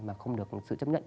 mà không được sự chấp nhận